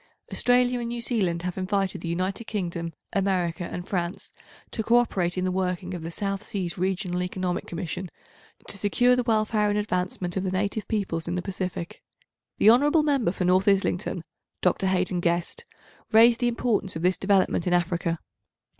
Australia and New Zealand have invited the United Kingdom, America and France to co operate in the working of the South Seas Regional Economic Commission to secure the welfare and advancement of the native peoples in the Pacific. The hon. Member for North Islington (Dr. Haden Guest) raised the importance of this development in Africa.